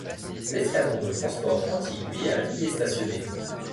L'escadron de transport Antilles-Guyane y est stationné.